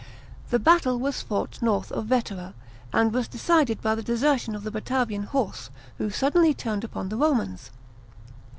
The battle was fought north of Vetera, and was decided by the desertion of the Batavian horse, who suddenly turned upon the Romans.